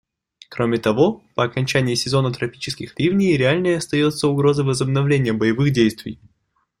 Кроме того, по окончании сезона тропических ливней реальной остается угроза возобновления боевых действий.